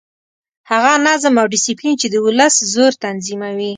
هغه نظم او ډسپلین چې د ولس زور تنظیموي.